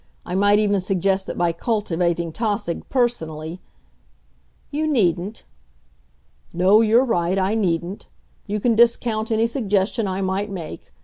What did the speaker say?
I might even suggest that by cultivating Tausig personally " "You needn't." "No, you're right; I needn't. You can discount any suggestion I might make.